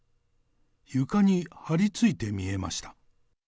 床に張り付いて見えました。